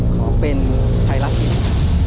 ขอเป็นไทยรัฐทีวี